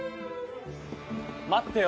待ってよ